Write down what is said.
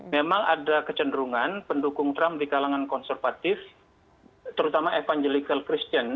memang ada kecenderungan pendukung trump di kalangan konservatif terutama evangelical christian